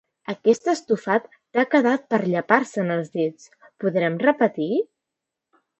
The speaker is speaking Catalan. Aquest estofat t'ha quedat per llepar-se'n els dits. Podrem repetir?